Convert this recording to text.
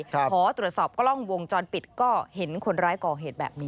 ขอตรวจสอบกล้องวงจรปิดก็เห็นคนร้ายก่อเหตุแบบนี้